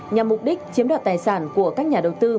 nhằm mục đích chiếm đoạt tài sản của các nhà đầu tư